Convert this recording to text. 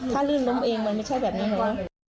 ถ้าลื่นล้มเองมันไม่ใช่แบบนี้เหรอ